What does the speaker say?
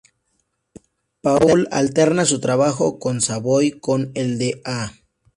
Paul alterna su trabajo con Savoy con el de a-ha.